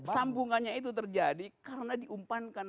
sambungannya itu terjadi karena diumpankan